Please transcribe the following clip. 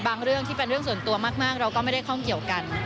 เรื่องที่เป็นเรื่องส่วนตัวมากเราก็ไม่ได้ข้องเกี่ยวกัน